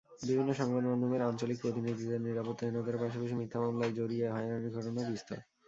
বিভিন্ন সংবাদমাধ্যমের আঞ্চলিক প্রতিনিধিদের নিরাপত্তাহীনতার পাশাপাশি মিথ্যা মামলায় জড়িয়ে হয়রানির ঘটনাও বিস্তর।